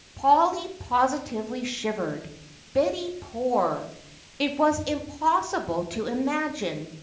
Polly positively shivered. Betty poor! It was impossible to imagine!